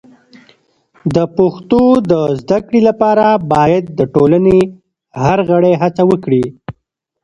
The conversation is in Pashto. د پښتو د زده کړې لپاره باید د ټولنې هر غړی هڅه وکړي.